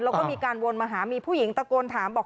แล้วก็มีการวนมาหามีผู้หญิงตะโกนถามบอก